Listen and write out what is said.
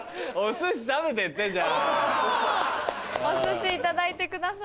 お寿司いただいてください。